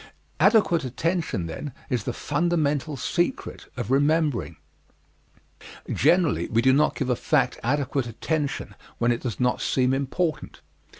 Adequate attention, then, is the fundamental secret of remembering. Generally we do not give a fact adequate attention when it does not seem important.